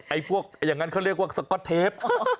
พวกอย่างนั้นเขาเรียกว่าสก๊อตเทป